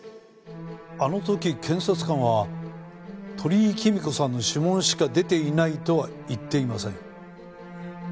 あの時検察官は鳥居貴美子さんの指紋しか出ていないとは言っていません。